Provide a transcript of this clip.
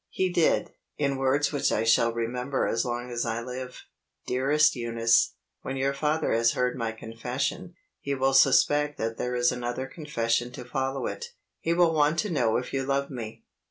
He did it, in words which I shall remember as long as I live. "Dearest Eunice, when your father has heard my confession, he will suspect that there is another confession to follow it he will want to know if you love me.